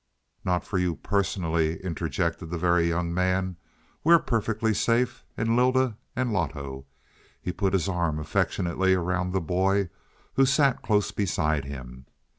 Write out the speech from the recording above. "Not for you personally," interjected the Very Young Man. "We're perfectly safe and Lylda, and Loto." He put his arm affectionately around the boy who sat close beside him.